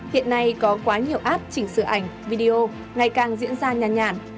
hiện nay có quá nhiều app chỉnh sử ảnh video ngày càng diễn ra nhàn nhàn